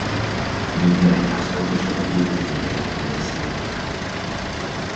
Minden egyház fontosabb ügyét eléje kell terjeszteni.